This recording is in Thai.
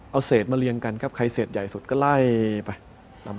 เอาเศษมาเรียงกันครับใครเศษใหญ่สุดก็ไล่ไป